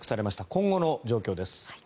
今後の状況です。